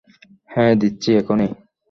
হ্যাঁঁ দিচ্ছি এখনি।